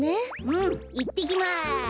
うんいってきます！